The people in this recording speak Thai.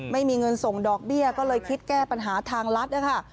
ไม่มีเงินส่งดอกเบี้ยก็เลยคิดแก้ปัญหาทางรัฐนะคะ